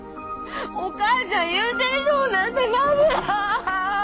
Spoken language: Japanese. お母ちゃん言うてみとうなっただけや！